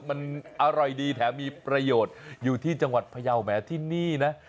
มันอร่อยดีแถมมีประโยชน์อยู่ที่จังหวัดพยาวแม้ที่นี่นะ